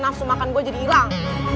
nafsu makan gue jadi hilang